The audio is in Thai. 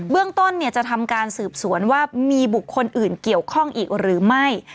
เรื่องต้นจะทำการสืบสวนว่ามีบุคคลอื่นเกี่ยวข้องอีกหรือไม่